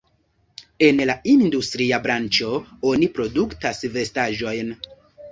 En la industria branĉo oni produktas vestaĵojn.